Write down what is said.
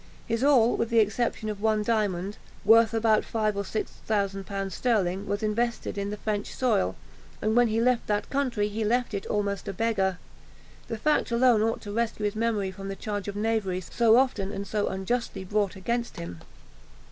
His all, with the exception of one diamond, worth about five or six thousand pounds sterling, was invested in the French soil; and when he left that country, he left it almost a beggar. This fact alone ought to rescue his memory from the charge of knavery, so often and so unjustly brought against him.